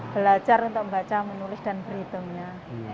belajar untuk membaca menulis dan berhitungnya